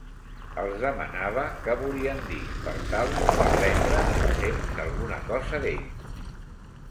Els demanava què volien dir per tal d'aprendre ensems alguna cosa d'ells.